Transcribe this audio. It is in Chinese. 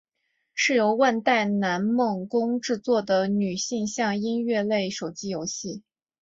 是由万代南梦宫制作的女性向音乐类手机游戏。